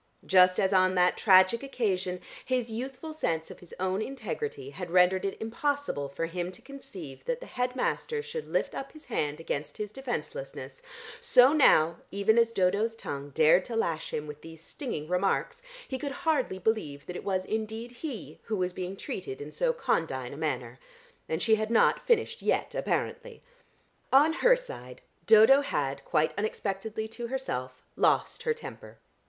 Just as on that tragic occasion his youthful sense of his own integrity had rendered it impossible for him to conceive that the head master should lift up his hand against his defencelessness, so now, even as Dodo's tongue dared to lash him with these stinging remarks, he could hardly believe that it was indeed he who was being treated in so condign a manner. And she had not finished yet apparently.... On her side Dodo had (quite unexpectedly to herself) lost her temper.